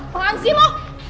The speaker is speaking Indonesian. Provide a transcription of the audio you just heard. paham sih lo